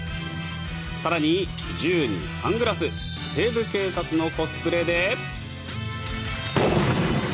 更に、銃にサングラス「西部警察」のコスプレで。